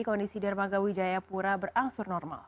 kondisi dermaga wijayapura berangsur normal